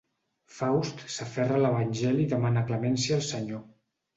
Faust s'aferra a l'Evangeli i demana clemència al Senyor.